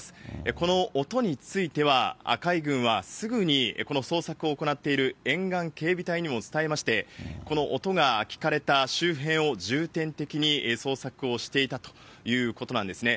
この音については、海軍はすぐにこの捜索を行っている沿岸警備隊にも伝えまして、この音が聞かれた周辺を重点的に捜索をしていたということなんですね。